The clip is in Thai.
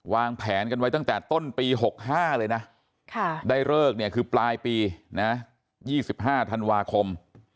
วางแผนกันไว้ตั้งแต่ต้นปี๖๕เลยนะได้เลิกเนี่ยคือปลายปีนะ๒๕ธันวาคม